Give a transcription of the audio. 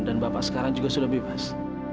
dan bapak sekarang juga sudah bebas